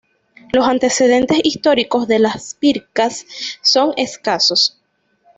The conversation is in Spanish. Los antecedentes históricos de Las Pircas son escasos.